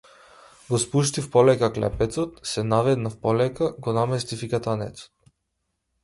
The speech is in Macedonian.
Го спуштив полека кепенецот, се наведнав полека, го наместив и катанецот.